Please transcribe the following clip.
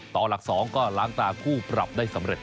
ต่อหลัก๒ก็ล้างตาคู่ปรับได้สำเร็จ